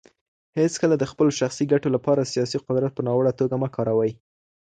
هیڅکله د خپلو شخصي ګټو لپاره سیاسي قدرت په ناوړه توګه مه کاروئ.